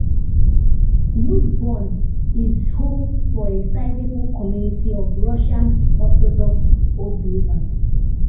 Woodburn is home for a sizable community of Russian Orthodox Old Believers.